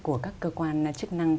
của các cơ quan chức năng